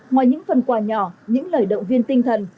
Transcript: ngoài những phần quà nhỏ những lời động viên tinh thần